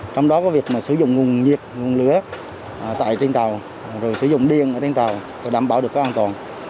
trong đó có việc sử dụng nguồn nhiệt nguồn lửa tại trên tàu rồi sử dụng điện ở trên tàu để đảm bảo được an toàn